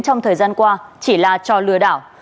trong thời gian qua chỉ là cho lừa đảo